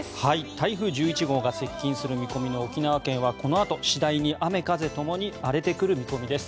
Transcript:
台風１１号が接近する見込みの沖縄県はこのあと、次第に雨風ともに荒れてくる見込みです。